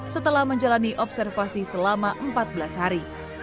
setelah menjalani observasi selama empat belas hari